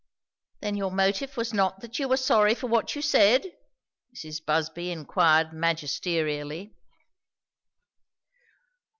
"Then your motive was not that you were sorry for what you said?" Mrs. Busby inquired magisterially.